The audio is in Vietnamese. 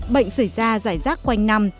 bệnh xảy ra rải rác quanh năm